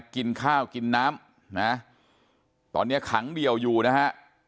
กินข้าวกินน้ำนะตอนนี้ขังเดี่ยวอยู่นะฮะ